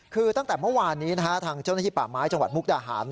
คือตั้งแต่เมื่อวานนี้ทางเจ้าหน้าที่ป่าไม้จังหวัดมุกดาหาร